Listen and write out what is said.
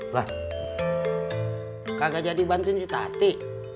lah kagak jadi bantuin si tati